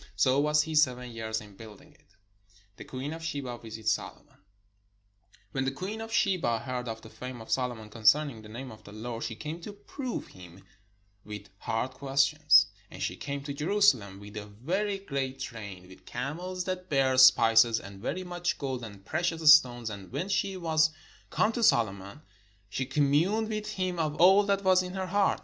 So was he seven years in building it. THE QUEEN OF SHEBA VISITS SOLOMON And when the queen of Sheba heard of the fame of Solomon concerning the name of the Lord, she came to prove him with hard questions. And she came to Jeru salem with a very great train, with camels that bare spices, and very much gold, and precious stones: and when she was come to Solomon, she communed with him of all that was in her heart.